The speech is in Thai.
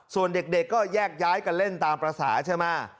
ส่วนเด็กก็แยกย้ายกันเล่นตามภาษาใช่ไหม